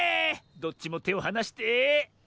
どっちもてをはなして。